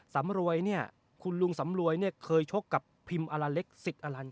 สำรวยเนี่ยคุณลุงสำรวยเนี่ยเคยชกกับพิมอารเล็กสิกอลันต